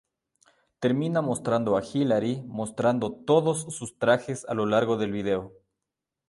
Termina mostrando a Hilary mostrando todos sus trajes a lo largo del video.